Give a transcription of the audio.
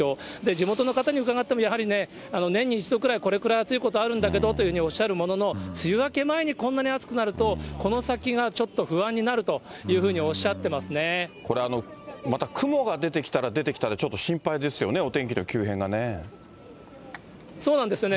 地元の方に伺っても、やはりね、年に一度くらい、これくらい暑いことあるんだけどというふうにおっしゃるものの、梅雨明け前にこんなに暑くなると、この先がちょっと不安になるといこれ、また雲が出てきたら出てきたで、ちょっと心配ですよね、お天気のそうなんですよね。